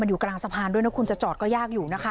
อยู่กลางสะพานด้วยนะคุณจะจอดก็ยากอยู่นะคะ